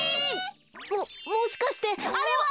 ももしかしてあれは！